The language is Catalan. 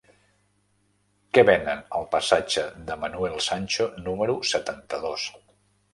Què venen al passatge de Manuel Sancho número setanta-dos?